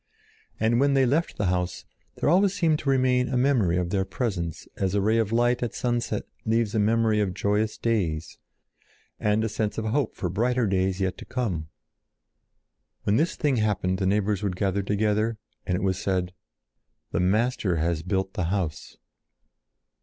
And when they left the house, always there seemed to remain a memory of their presence as a ray of light at sunset leaves a memory of joyous days and a sense of hope for brighter days yet to come. When this thing happened the neighbors would gather together and it was said: "The Master has built the house."